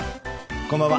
こんばんは。